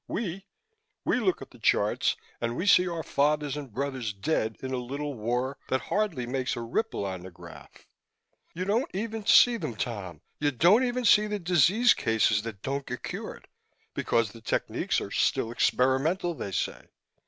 We we look at the charts and we see our fathers and brothers dead in a little war that hardly makes a ripple on the graph. You don't even see them, Tom. You don't even see the disease cases that don't get cured because the techniques are 'still experimental,' they say.